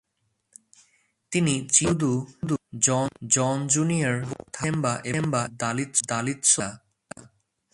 তিনি Chimwe Dudu, John Junior, Thabo Themba এবং দালিৎসোর পিতা।